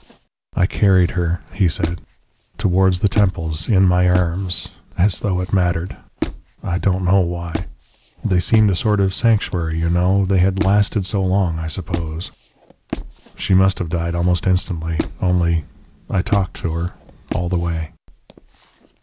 "I carried her," he said, "towards the temples, in my arms as though it mattered. I don't know why. They seemed a sort of sanctuary, you know, they had lasted so long, I suppose. "She must have died almost instantly. Only I talked to her all the way."